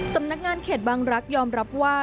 สำนักงานเขตบางรักษ์ยอมรับว่า